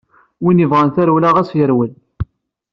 Win yebɣan tarewla ɣas yerwel.